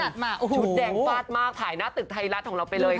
ชุดแดงฟาดมากถ่ายหน้าตึกไทยรัฐของเราไปเลยค่ะ